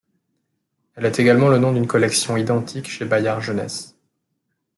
Elle est également le nom d'une collection identique chez Bayard Jeunesse.